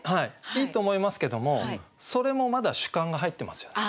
いいと思いますけどもそれもまだ主観が入ってますよね。